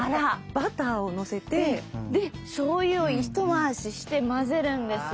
バターをのせて。でしょうゆをひと回しして混ぜるんですよ。